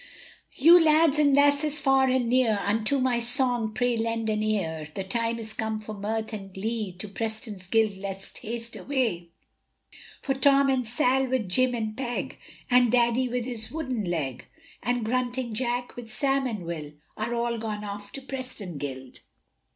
You lads and lasses far and near, Unto my song pray lend an ear, The time is come for mirth and glee, To Preston Guild let's haste away, For Tom and Sal with Jim and Peg, And daddy with his wooden leg, And grunting Jack with Sam and Will, Are all gone off to Preston Guild.